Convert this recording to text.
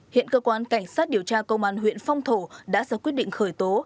hiện cơ quan cảnh sát điều tra công an huyện phong thổ đã ra quyết định khởi tố